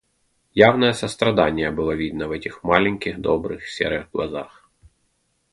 Явное сострадание было видно в этих маленьких добрых серых глазах.